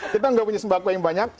kita nggak punya sembako yang banyak